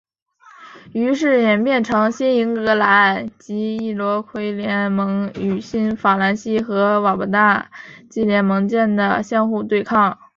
于是演变成新英格兰及易洛魁联盟与新法兰西和瓦巴纳基联盟间的相互对抗。